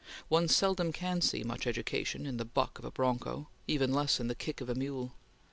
One seldom can see much education in the buck of a broncho; even less in the kick of a mule.